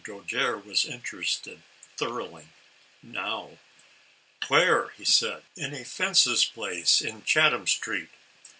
Dojere was interested thoroughly, now. " Where ?" said he. " In a fence's place in Chatham street.